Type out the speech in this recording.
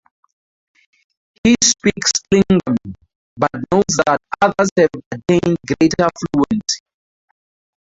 He speaks Klingon, but notes that others have attained greater fluency.